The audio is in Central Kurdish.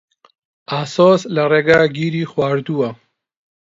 ئاسۆس لە ڕێگا گیری خواردووە.